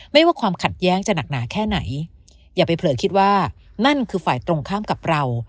ไม่ว่าความขัดแย้งจะหนักหนาแค่ไหนอย่าไปเผลอคิดว่านั่นคือฝ่ายตรงข้ามกับเรา